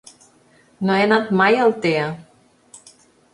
No he anat mai a Altea.